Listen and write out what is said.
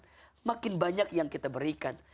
maka makin banyak yang bisa kita berikan